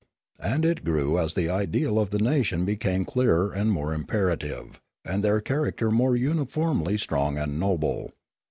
And it grew as the ideal of the nation became clearer and more imperative, and their character more uniformly strong and noble.